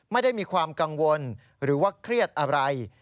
ไม่ได้มีความกังวลหรือว่าเครียดอะไร